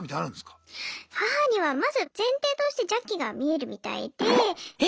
母にはまず前提として邪気が見えるみたいで。